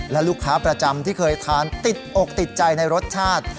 และลูกค้าประจำที่เคยทานติดอกติดใจในรสชาติ